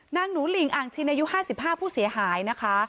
หนูหลิงอ่างชินอายุ๕๕ผู้เสียหายนะคะ